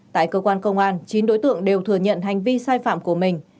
tại cơ quan công an chín đối tượng đều thừa nhận hành vi sai phạm của mình